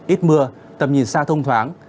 ít mưa tầm nhìn xa thông thoáng